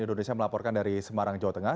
indonesia melaporkan dari semarang jawa tengah